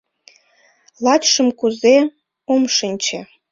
Лачшым кузе — ом шинче